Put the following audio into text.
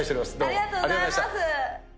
ありがとありがとうございます。